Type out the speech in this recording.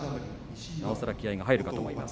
なおさら気合いが入るかと思います。